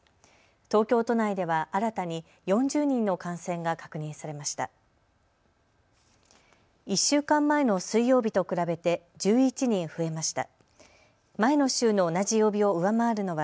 東京都内では新たに４０人の感染が確認されました。